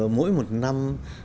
mỗi một năm